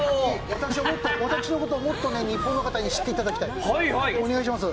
私のことをもっと日本の方に知っていただきたい。